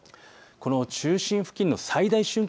この中心付近の最大瞬間